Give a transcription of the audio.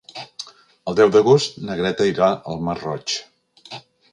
El deu d'agost na Greta irà al Masroig.